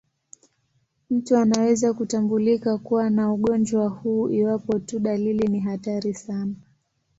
Mtu anaweza kutambulika kuwa na ugonjwa huu iwapo tu dalili ni hatari sana.